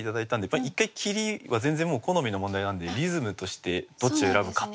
やっぱり一回切りは全然もう好みの問題なんでリズムとしてどっちを選ぶか。